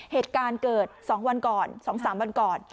เหตุการณ์เกิดสองวันก่อนสองสามวันก่อน